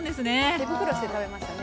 手袋して食べましたね。